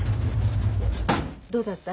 どうだった？